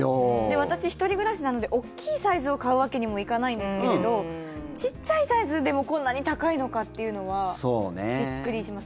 私、１人暮らしなので大きいサイズを買うわけにもいかないんですけれど小さいサイズでもこんなに高いのかっていうのはびっくりします。